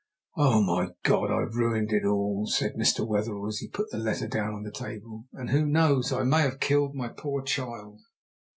"Oh, my God, I've ruined all!" cried Mr. Wetherell as he put the letter down on the table; "and who knows? I may have killed my poor child!"